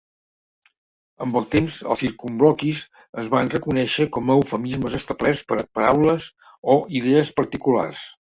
Amb el temps, els circumloquis es van reconèixer com a eufemismes establerts per a paraules o idees particulars.